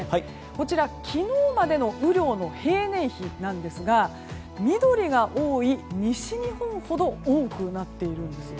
こちら、昨日までの雨量の平年比なんですが緑が多い西日本ほど多くなっているんです。